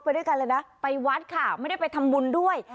ไปด้วยกันเลยนะไปวัดค่ะไม่ได้ไปทำบุญด้วย